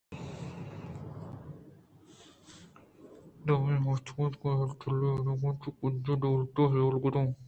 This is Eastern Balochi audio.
دومی ہفتگءَ بہِیل ٹِلّ ءُ مَلّان ءَ اتک کہ وتی گنج ءُ دولت ءِ حال ءَ گِراں